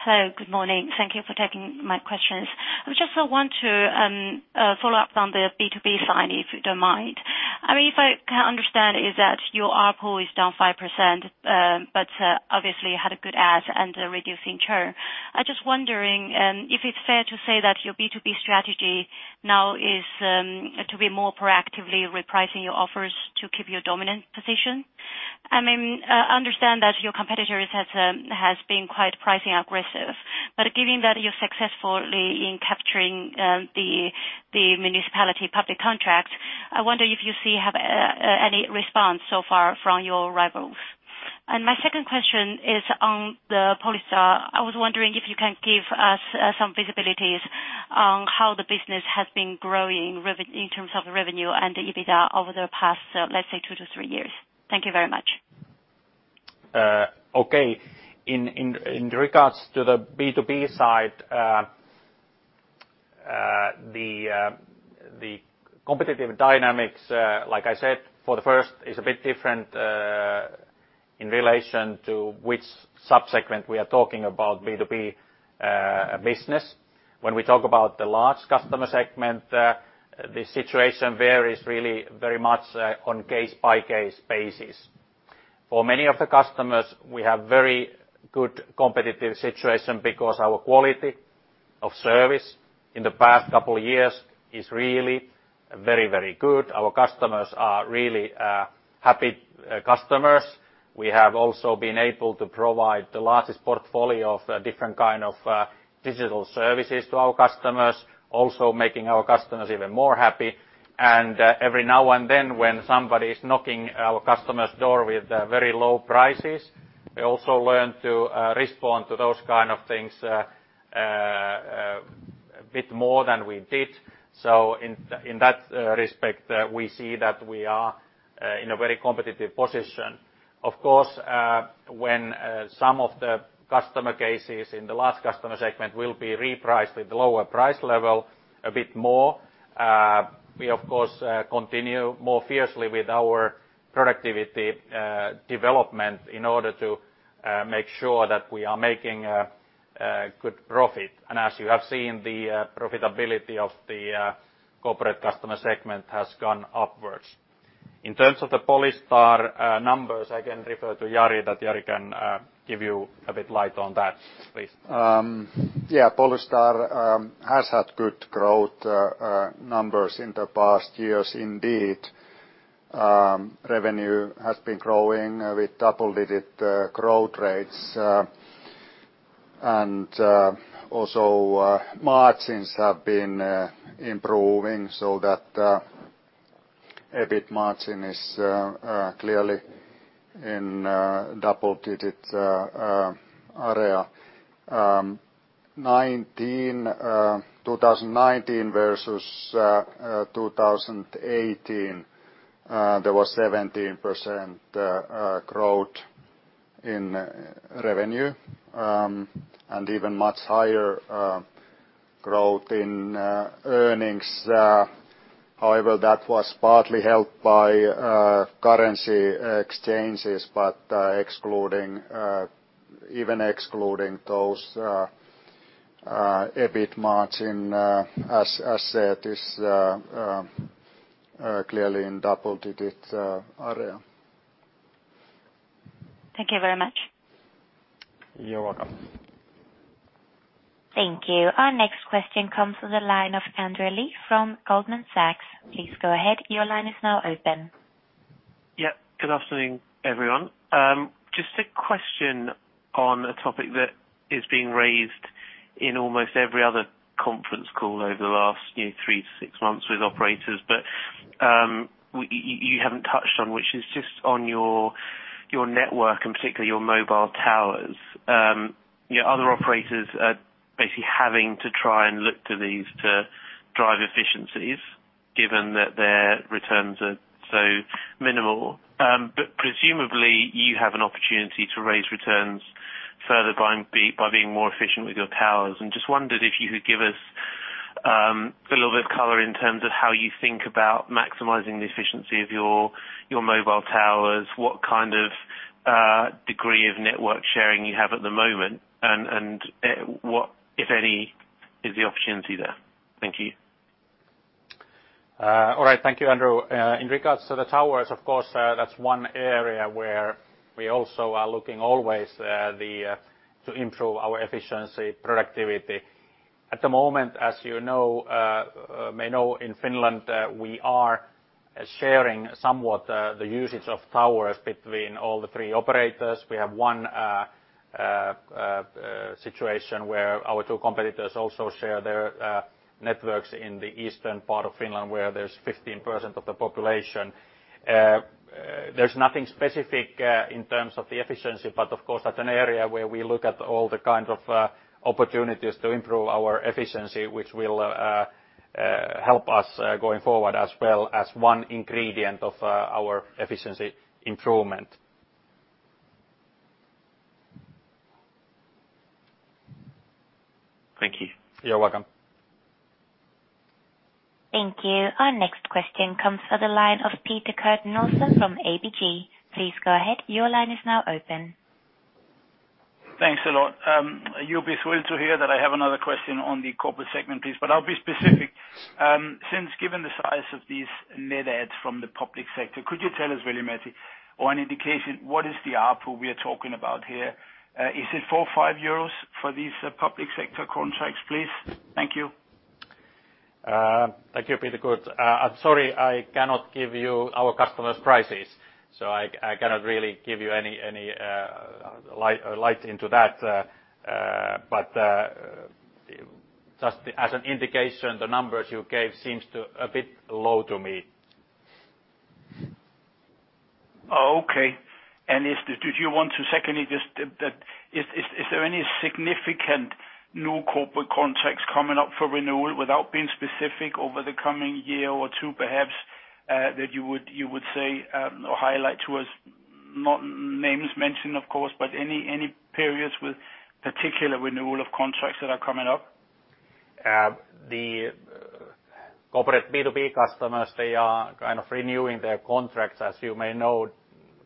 S12: Hello. Good morning. Thank you for taking my questions. I just want to follow up on the B2B side, if you don't mind. If I can understand it is that your ARPU is down 5%, but obviously had a good add and a reducing churn. I'm just wondering if it's fair to say that your B2B strategy now is to be more proactively repricing your offers to keep your dominant position. I mean, I understand that your competitors has been quite pricing-aggressive. Given that you're successfully in capturing the municipality's public contract, I wonder if you see have any response so far from your rivals. And my second question is on the Polystar. I was wondering if you can give us some visibilities on how the business has been growing in terms of revenue and the EBITDA over the past, let's say two to three years. Thank you very much.
S2: Okay. In regards to the B2B side, the competitive dynamics, like I said, for the first is a bit different in relation to which subsegment we are talking about B2B business. When we talk about the large customer segment, the situation varies really very much on case-by-case basis. For many of the customers, we have very good competitive situation because our quality of service in the past couple of years is really very good. Our customers are really happy customers. We have also been able to provide the largest portfolio of different kind of digital services to our customers, also making our customers even more happy. Every now and then, when somebody is knocking our customer's door with very low prices, we also learn to respond to those kind of things a bit more than we did. In that respect, we see that we are in a very competitive position. Of course, when some of the customer cases in the last customer segment will be repriced with lower price level, a bit more, we of course, continue more fiercely with our productivity development in order to make sure that we are making good profit. As you have seen, the profitability of the corporate customer segment has gone upwards. In terms of the Polystar numbers, I can refer to Jari that Jari can give you a bit light on that, please.
S3: Yeah. Polystar has had good growth numbers in the past years. Indeed, revenue has been growing with double-digit growth rates and also margins have been improving so that EBIT margin is clearly in double-digit area. 2019 versus 2018, there was 17% growth in revenue, even much higher growth in earnings. However, that was partly helped by currency exchanges. Even excluding those, EBIT margin, as said, is clearly in double-digit area.
S12: Thank you very much.
S2: You're welcome.
S8: Thank you. Our next question comes to the line of Andrew Lee from Goldman Sachs. Please go ahead. Your line is now open.
S13: Yeah. Good afternoon, everyone. Just a question on a topic that is being raised in almost every other conference call over the last three to six months with operators, you haven't touched on, which is just on your network, and particularly your mobile towers. Other operators are basically having to try and look to these to drive efficiencies, given that their returns are so minimal. Presumably, you have an opportunity to raise returns further by being more efficient with your towers. Just wondered if you could give us a little bit of color in terms of how you think about maximizing the efficiency of your mobile towers, what kind of degree of network sharing you have at the moment, and what, if any, is the opportunity there? Thank you.
S2: All right. Thank you, Andrew. In regards to the towers, of course, that's one area where we also are looking always to improve our efficiency productivity. At the moment, as you may know, in Finland, we are sharing somewhat the usage of towers between all the three operators. We have one situation where our two competitors also share their networks in the eastern part of Finland, where there's 15% of the population. There's nothing specific in terms of the efficiency, but of course, that's an area where we look at all the kinds of opportunities to improve our efficiency, which will help us going forward as well as one ingredient of our efficiency improvement.
S13: Thank you.
S2: You're welcome.
S8: Thank you. Our next question comes to the line of Peter Kurt Nielsen from ABG. Please go ahead. Your line is now open.
S14: Thanks a lot. You'll be thrilled to hear that I have another question on the corporate segment, please. I'll be specific. Given the size of these net adds from the public sector, could you tell us, Veli-Matti, or an indication, what is the ARPU we are talking about here? Is it 4, 5 euros for these public sector contracts, please? Thank you.
S2: Thank you, Peter Kurt. I'm sorry, I cannot give you our customers' prices. I cannot really give you any light into that. Just as an indication, the numbers you gave seems a bit low to me.
S14: Okay. Did you want to secondly, just is there any significant new corporate contracts coming up for renewal without being specific over the coming year or two perhaps, that you would say or highlight to us? Not names mentioned, of course, but any periods with particular renewal of contracts that are coming up?
S2: The corporate B2B customers, they are kind of renewing their contracts, as you may know,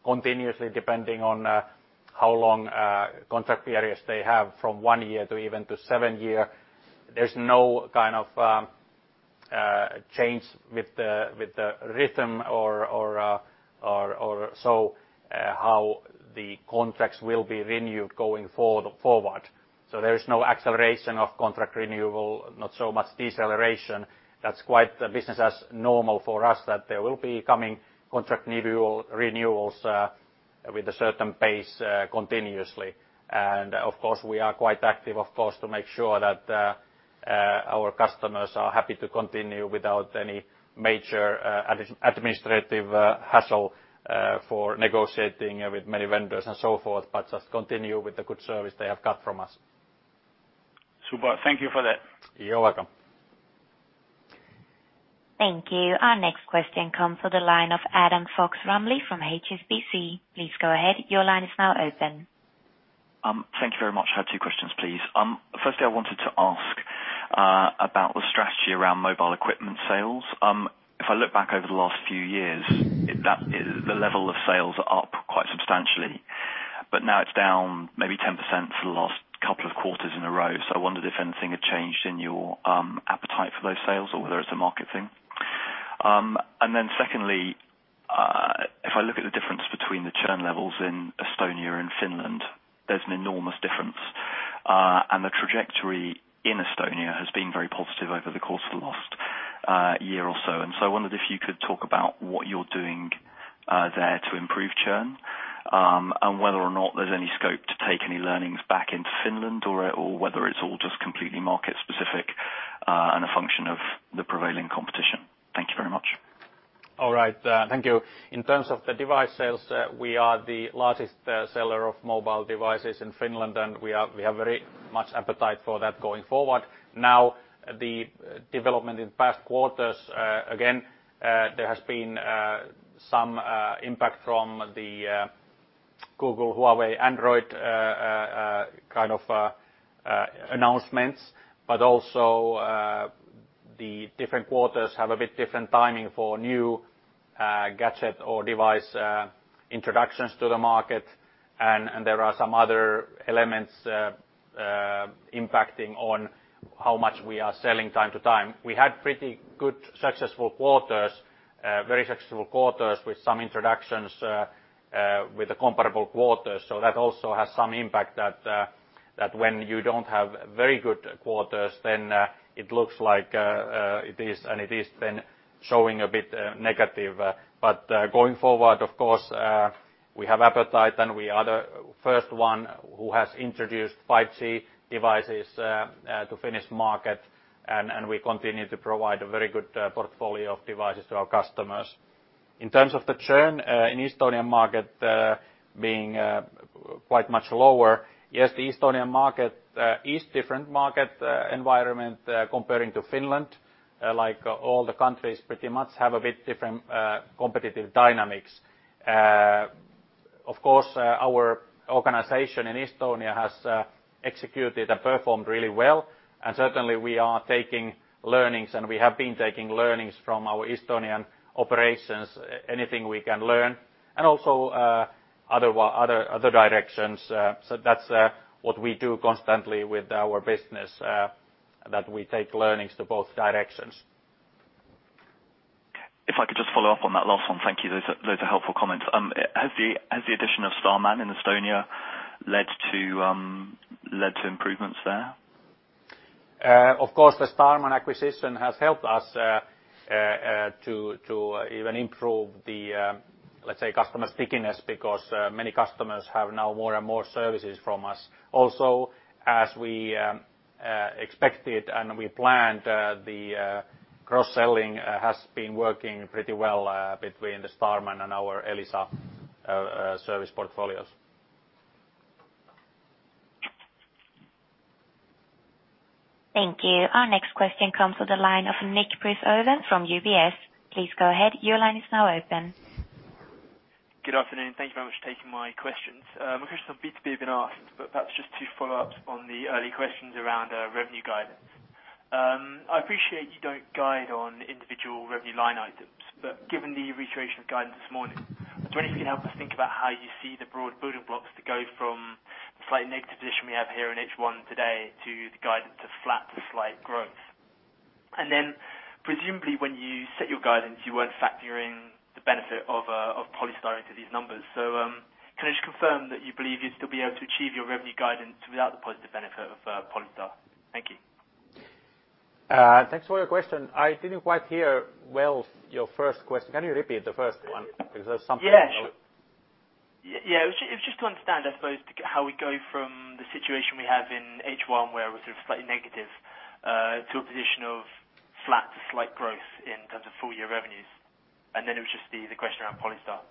S2: continuously, depending on how long contract periods they have, from one year to even to seven year. There's no kind of change with the rhythm or so how the contracts will be renewed going forward. There is no acceleration of contract renewal, not so much deceleration. That's quite business as normal for us, that there will be coming contract renewals with a certain pace continuously. We are quite active, of course, to make sure that our customers are happy to continue without any major administrative hassle for negotiating with many vendors and so forth, but just continue with the good service they have got from us.
S14: Super. Thank you for that.
S2: You're welcome.
S8: Thank you. Our next question comes from the line of Adam Fox-Rumley from HSBC. Please go ahead. Your line is now open.
S15: Thank you very much. I have two questions, please. Firstly, I wanted to ask about the strategy around mobile equipment sales. If I look back over the last few years, the level of sales are up quite substantially. Now, it's down maybe 10% for the last couple of quarters in a row. I wondered if anything had changed in your appetite for those sales, or whether it's a market thing. Secondly, if I look at the difference between the churn levels in Estonia and Finland, there's an enormous difference. The trajectory in Estonia has been very positive over the course of the last year or so. I wondered if you could talk about what you're doing there to improve churn, and whether or not there's any scope to take any learnings back into Finland, or whether it's all just completely market specific and a function of the prevailing competition? Thank you very much.
S2: All right. Thank you. In terms of the device sales, we are the largest seller of mobile devices in Finland, and we have very much appetite for that going forward. The development in past quarters, again, there has been some impact from the Google-Huawei Android kind of announcements. The different quarters have a bit different timing for new gadget or device introductions to the market, and there are some other elements impacting on how much we are selling time to time. We had pretty good, successful quarters, very successful quarters with some introductions with the comparable quarters. That also has some impact that when you don't have very good quarters, then it looks like it is, and it is then showing a bit negative. Going forward, of course, we have appetite, and we are the first one who has introduced 5G devices to Finnish market, and we continue to provide a very good portfolio of devices to our customers. In terms of the churn in Estonian market being quite much lower. Yes, the Estonian market is different market environment comparing to Finland. All the countries pretty much have a bit different competitive dynamics. Of course, our organization in Estonia has executed and performed really well, and certainly we are taking learnings, and we have been taking learnings from our Estonian operations, anything we can learn, and also other directions. That's what we do constantly with our business, that we take learnings to both directions.
S15: If I could just follow up on that last one. Thank you. Those are helpful comments. Has the addition of Starman in Estonia led to improvements there?
S2: Of course, the Starman acquisition has helped us to even improve the, let's say, customer stickiness because many customers have now more and more services from us. Also, as we expected and we planned, the cross-selling has been working pretty well between the Starman and our Elisa service portfolios.
S8: Thank you. Our next question comes from the line of Ondrej Cabejšek from UBS. Please go ahead. Your line is now open.
S16: Good afternoon. Thank you very much for taking my questions. My question on B2B have been asked, perhaps just to follow up on the early questions around revenue guidance. I appreciate you don't guide on individual revenue line items. Given the reiteration of guidance this morning, I was wondering if you could help us think about how you see the broad building blocks to go from the slightly negative position we have here in H1 today to the guidance of flat to slight growth. Presumably, when you set your guidance, you weren't factoring the benefit of Polystar into these numbers. Can I just confirm that you believe you'd still be able to achieve your revenue guidance without the positive benefit of Polystar? Thank you.
S2: Thanks for your question. I didn't quite hear well your first question. Can you repeat the first one?
S16: Yeah. It was just to understand, I suppose, how we go from the situation we have in H1 where it was sort of slightly negative to a position of flat to slight growth in terms of full year revenues. It was just the question around Polystar.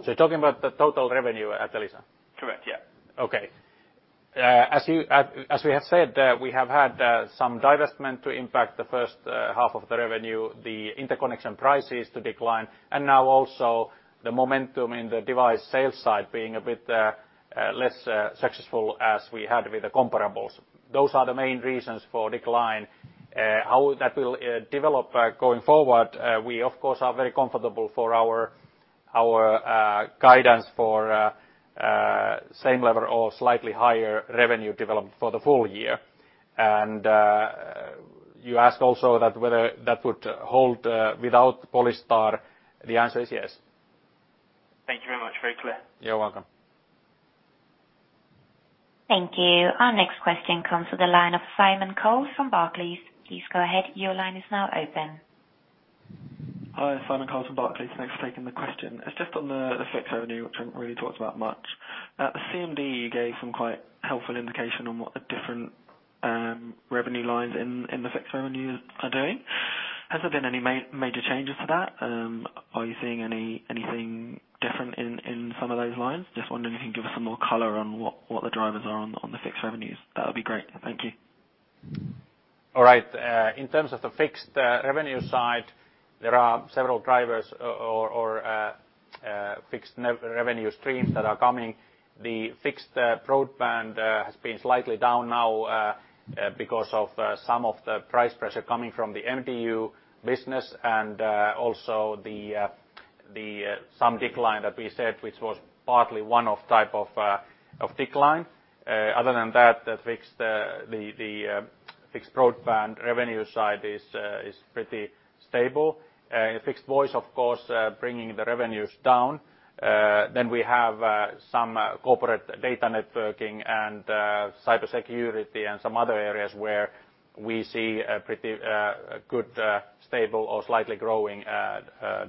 S2: You're talking about the total revenue at Elisa?
S16: Correct. Yeah.
S2: Okay. As we have said, we have had some divestment to impact the first half of the revenue, the interconnection prices to decline, and now also the momentum in the device sales side being a bit less successful as we had with the comparables. Those are the main reasons for decline. How that will develop going forward, we, of course, are very comfortable for our guidance for same level or slightly higher revenue development for the full year. You asked also that whether that would hold without Polystar. The answer is yes.
S16: Thank you very much. Very clear.
S2: You're welcome.
S8: Thank you. Our next question comes to the line of Simon Coles from Barclays. Please go ahead. Your line is now open.
S17: Hi, Simon Coles from Barclays. Thanks for taking the question. It's just on the fixed revenue, which you haven't really talked about much. At the CMD, you gave some quite helpful indication on what the different revenue lines in the fixed revenues are doing. Has there been any major changes to that? Are you seeing anything different in some of those lines? Just wondering if you can give us some more color on what the drivers are on the fixed revenues. That'd be great. Thank you.
S2: All right. In terms of the fixed revenue side, there are several drivers or fixed revenue streams that are coming. The fixed broadband has been slightly down now because of some of the price pressure coming from the MDU business, and also some decline that we said, which was partly one-off type of decline. Other than that, the fixed broadband revenue side is pretty stable. Fixed voice, of course, bringing the revenues down. We have some corporate data networking and cybersecurity, and some other areas where we see a pretty good, stable or slightly growing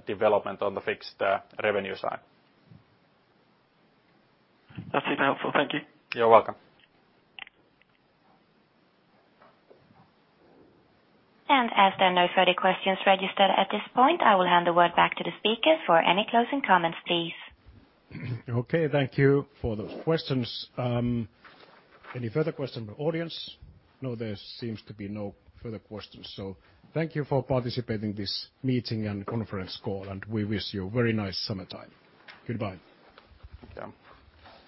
S2: development on the fixed revenue side.
S17: That's super helpful. Thank you.
S2: You're welcome.
S8: As there are no further questions registered at this point, I will hand the word back to the speaker for any closing comments, please.
S1: Okay. Thank you for those questions. Any further question from audience? No, there seems to be no further questions. Thank you for participating in this meeting and conference call, and we wish you a very nice summertime. Goodbye.